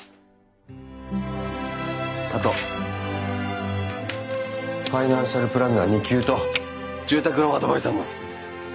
あとファイナンシャルプランナー２級と住宅ローンアドバイザーも！